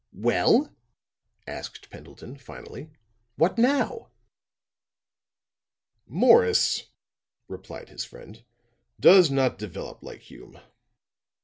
"Well," asked Pendleton, finally. "What now?" "Morris," replied his friend, "does not develop like Hume.